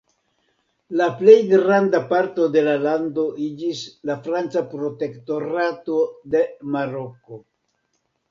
La plej granda parto de la lando iĝis la Franca protektorato de Maroko.